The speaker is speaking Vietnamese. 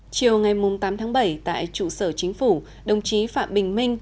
chiều ngày tám tháng bảy tại trụ sở chính phủ đồng chí phạm bình minh